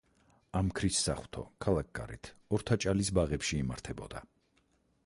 ამქრის საღვთო ქალაქგარეთ, ორთაჭალის ბაღებში იმართებოდა.